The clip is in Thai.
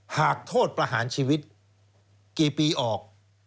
หากโทษประหารชีวิตกี่ปีออก